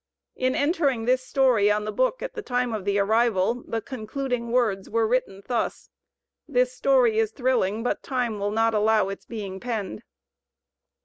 In entering this story on the book at the time of the arrival, the concluding words were written thus: "This story is thrilling, but time will not allow its being penned."